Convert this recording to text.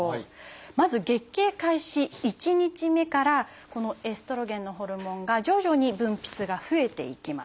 まず月経開始１日目からこのエストロゲンのホルモンが徐々に分泌が増えていきます。